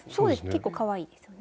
結構かわいいですよね。